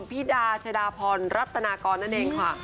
พี่ดาชดาพรรัตนากรนั่นเองค่ะ